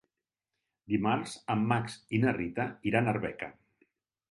Dimarts en Max i na Rita iran a Arbeca.